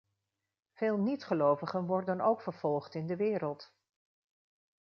Veel niet-gelovigen worden ook vervolgd in de wereld.